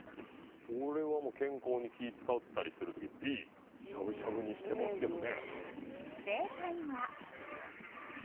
俺はもう健康に気使ったりするときＢしゃぶしゃぶにしてますけどね